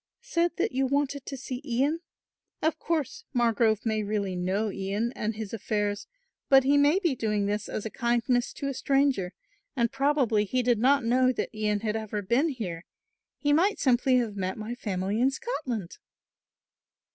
"Said that you wanted to see Ian. Of course Margrove may really know Ian and his affairs but he may be doing this as a kindness to a stranger and probably he did not know that Ian had ever been here, he might simply have met my family in Scotland."